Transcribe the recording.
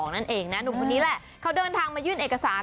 นั่นเองนะหนุ่มคนนี้แหละเขาเดินทางมายื่นเอกสาร